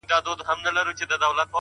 o يار دي وي، د بل ديار دي وي!